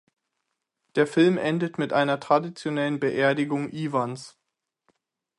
Der Film endet mit einer traditionellen Beerdigung Iwans.